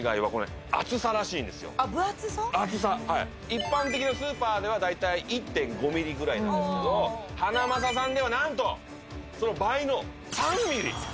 一般的なスーパーではだいたい１．５ｍｍぐらいなんですけどハナマサさんでは何とその倍の３ｍｍ！